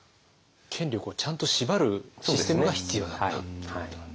権力をちゃんと縛るシステムが必要だったということなんですね。